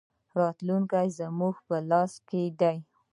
راتلونکی زموږ په لاس کې دی